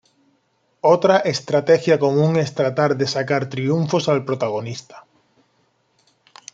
Otra estrategia común es tratar de sacar triunfos al protagonista.